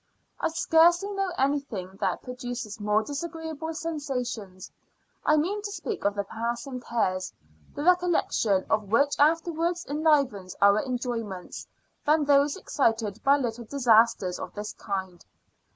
I scarcely know anything that produces more disagreeable sensations, I mean to speak of the passing cares, the recollection of which afterwards enlivens our enjoyments, than those excited by little disasters of this kind.